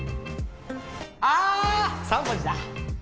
あ３文字だ！